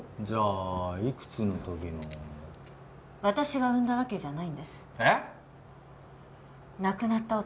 じゃあいくつんときの私が産んだわけじゃないんですえっ？